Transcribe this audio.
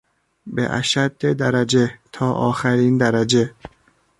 به اشد درجه، تا آخرین درجه